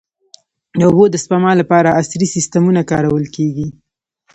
د اوبو د سپما لپاره عصري سیستمونه کارول کېږي.